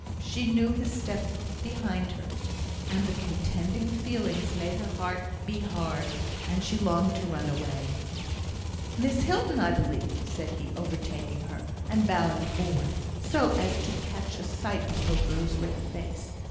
She knew his step behind her, and the contending feelings made her heart beat hard, and she longed to run away. "Miss Hilton, I believe," said he, overtaking her, and bowing forward, so as to catch a sight of her rose red face.